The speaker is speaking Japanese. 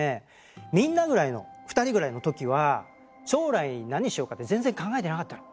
みんなぐらいの２人ぐらいの時は将来何しようかって全然考えてなかったの。